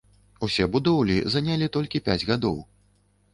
Усе будоўлі занялі толькі пяць гадоў!